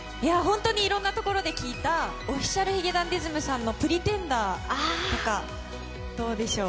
いろんなところで聴いたＯｆｆｉｃｉａｌ髭男ｄｉｓｍさんの「Ｐｒｅｔｅｎｄｅｒ」なんかどうでしょう。